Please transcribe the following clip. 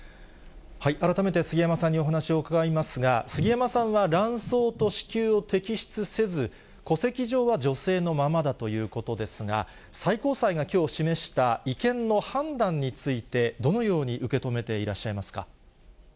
改めて杉山さんにお話を伺いますが、杉山さんは卵巣と子宮を摘出せず、戸籍上は女性のままだということですが、最高裁がきょう示した違憲の判断について、どのように受け止めていらっしゃいますか。